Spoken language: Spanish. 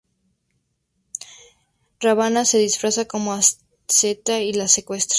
Ravana se disfraza como asceta y la secuestra.